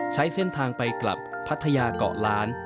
ใช้เส้นทางไปกลับพัทยาเกาะล้าน